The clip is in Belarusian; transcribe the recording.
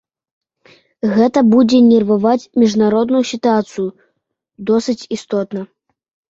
Гэта будзе нерваваць міжнародную сітуацыю досыць істотна.